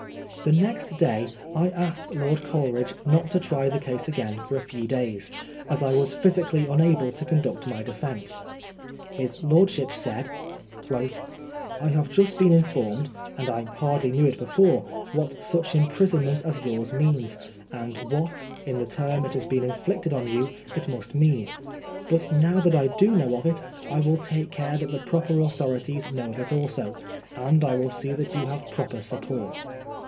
The next day I asked Lord Coleridge not to try the case again for a few days, as I was physically unable to conduct my defence. His lordship said :" T have just been informed, and I hardly knew it before, what such imprisonment as yours means, and what, in the form it has been innicted on you, it must mean ; but now that I do know of it, I will take care that the proper authorities know of it also, and I will see that you have proper support.''